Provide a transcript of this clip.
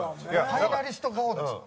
ファイナリスト顔なんですよ。